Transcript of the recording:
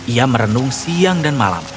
ia merenung siang dan malam